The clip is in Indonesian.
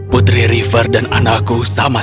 putri river dan anakku sampai